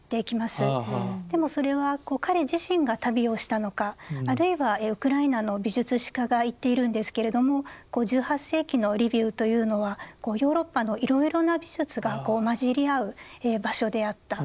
でもそれは彼自身が旅をしたのかあるいはウクライナの美術史家が言っているんですけれども１８世紀のリビウというのはヨーロッパのいろいろな美術が混じり合う場所であった。